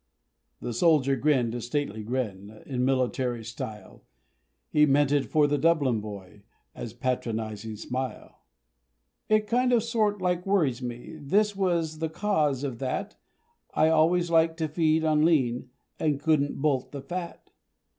The soldier grinned a stately grin, In military style, He meant it for the Dublin boy As patronising smile! "It kind of sort like worries me, This was the cause of that, I always liked to feed on lean, I couldn't bolt the fat!